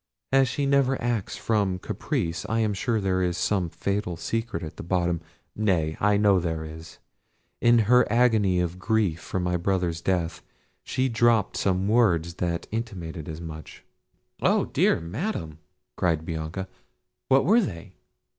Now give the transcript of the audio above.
As she never acts from caprice, I am sure there is some fatal secret at bottom—nay, I know there is: in her agony of grief for my brother's death she dropped some words that intimated as much." "Oh! dear Madam," cried Bianca, "what were they?"